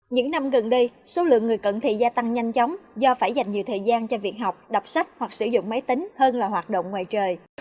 những năm gần đây số lượng người cận thị gia tăng nhanh chóng do phải dành nhiều thời gian cho việc học đọc sách hoặc sử dụng máy tính hơn là hoạt động ngoài trời